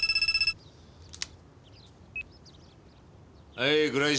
はい倉石。